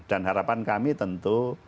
dan harapan kami tentu